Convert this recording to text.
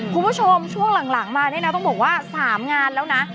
คุณผู้ชมช่วงหลังมาเนี่ยนะต้องบอกว่า๓งานแล้วนะ